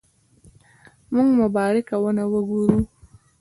موږ مبارکه ونه وګورو.